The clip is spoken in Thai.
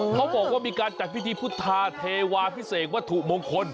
เขาบอกว่ามีการจัดพิธีพุทธาเทวาพิเศษวัตถุมงคล